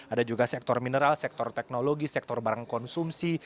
ada juga sektor mineral sektor teknologi sektor barang konsumsi